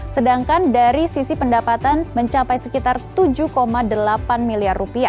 sedangkan dari sisi pendapatan mencapai sekitar rp tujuh delapan miliar